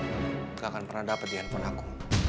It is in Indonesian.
enggak akan pernah dapet di hp aku